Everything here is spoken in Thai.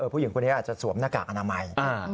ผู้หญิงคนนี้อาจจะสวมหน้ากากอนามัย